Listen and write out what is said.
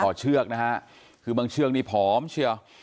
ต่อเชือกนะฮะคือบางเชือกนี้ผอมเชื่อ